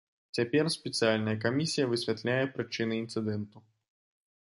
Цяпер спецыяльная камісія высвятляе прычыны інцыдэнту.